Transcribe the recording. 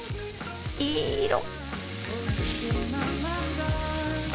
いい色！